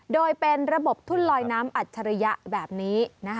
โดยเป็นระบบทุ่นลอยน้ำอัจฉริยะแบบนี้